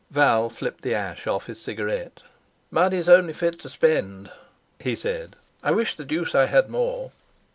Val flipped the ash off his cigarette. "Money's only fit to spend," he said; "I wish the deuce I had more."